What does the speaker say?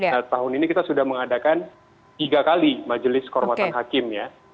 nah tahun ini kita sudah mengadakan tiga kali majelis kehormatan hakim ya